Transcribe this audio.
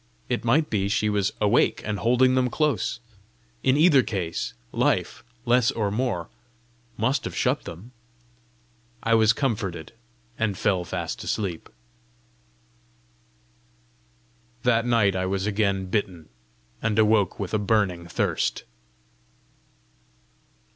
it might be she was awake and holding them close! In either case, life, less or more, must have shut them! I was comforted, and fell fast asleep. That night I was again bitten, and awoke with a burning thirst.